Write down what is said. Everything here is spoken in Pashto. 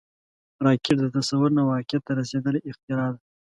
راکټ د تصور نه واقعیت ته رسیدلی اختراع ده